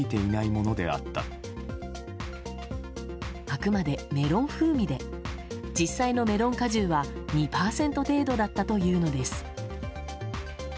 あくまでメロン風味で実際のメロン果汁は２％程度だったというのです。